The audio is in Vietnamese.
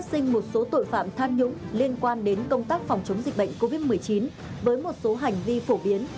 số tội phạm tham nhũng liên quan đến công tác phòng chống dịch bệnh covid một mươi chín với một số hành vi phổ biến